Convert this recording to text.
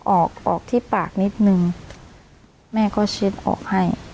ออกออกที่ปากนิดนึงแม่ก็เช็ดออกให้